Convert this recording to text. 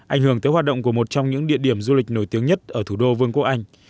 ảnh hưởng tới hoạt động của một trong những địa điểm du lịch nổi tiếng nhất ở thủ đô vương quốc anh